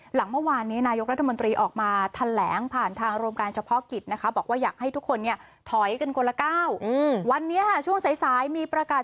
หลังเมื่อวานนี้นายกรรภ์รัฐมนตรีออกมาทะแหล้งผ่านทางโรงการเฉพาะกิจนะคะ